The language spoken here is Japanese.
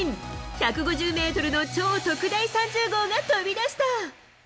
１５０メートルの超特大３０号が飛び出した。